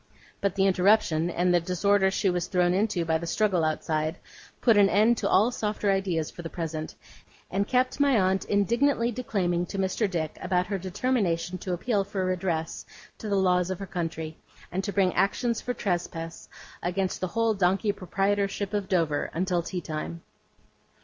But the interruption, and the disorder she was thrown into by the struggle outside, put an end to all softer ideas for the present, and kept my aunt indignantly declaiming to Mr. Dick about her determination to appeal for redress to the laws of her country, and to bring actions for trespass against the whole donkey proprietorship of Dover, until tea time.